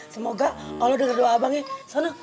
semoga kalo denger doa abangnya